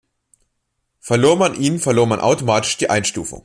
Verlor man ihn, verlor man automatisch die Einstufung.